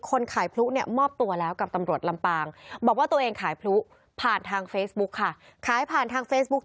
คนขายพลุมอบตัวแล้วกับตำรวจลำปาง